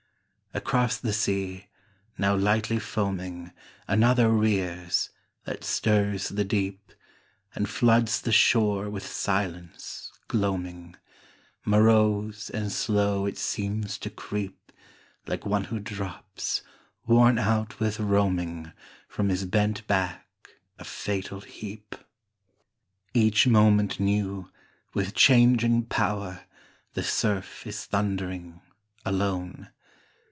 Across the sea, now lightly foaming, Another rears, that stirs the deep, And floods the shore with silence, gloaming; Morose and slow it seems to creepLike one who drops, worn out with roaming, From his bent back a fatal heap. Each moment new, with changing power, The surf is thundering, alone.